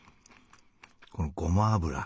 このごま油。